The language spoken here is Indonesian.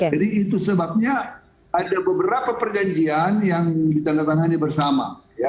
jadi itu sebabnya ada beberapa perjanjian yang ditandatangani bersama